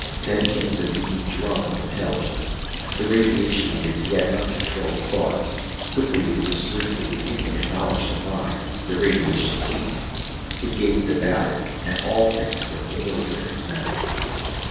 Then came the beating drum of intelligence, the radiation of its yet uncontrolled thoughts. Quickly as the strings of its infinite knowledge combined, the radiation ceased. It gazed about it, and all things were familiar in its memory.